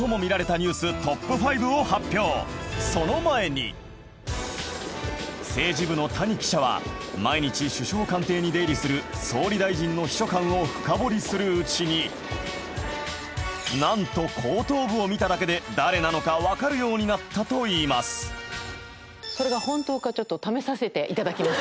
その前に政治部の谷記者は毎日首相官邸に出入りする総理大臣の秘書官をフカボリするうちになんとようになったといいますそれが本当かちょっと試させていただきます。